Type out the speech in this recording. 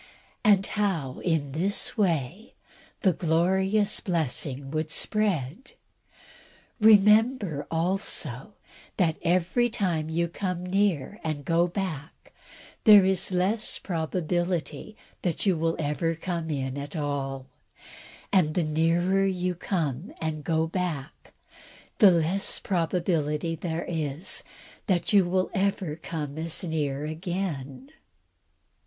and how, in this way, the glorious blessing would spread? Remember, also, that every time you come near and go back, there is less probability that you will ever come in at all; and the nearer you come and go back, the less probability there is that you will ever come as near again.